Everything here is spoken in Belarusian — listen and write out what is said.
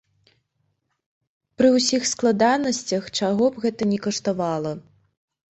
Пры ўсіх складанасцях, чаго б гэта ні каштавала.